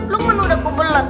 lukman udah kebelet